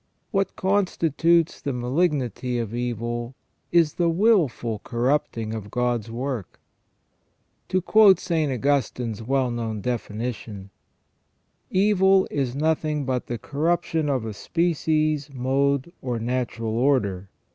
What constitutes the malignity of evil is the wilful corrupting of God's work. To quote St. Augustine's well known definition :" Evil is nothing but the corruption of a species, mode, or natural order.